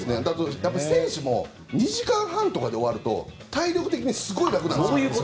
選手も２時間半とかで終わると、体力的にすごい楽なんですよ。